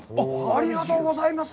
ありがとうございます。